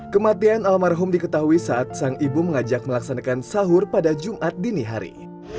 kematian almarhum diketahui saat sang ibu mengajak melaksanakan sahur pada jumat dini hari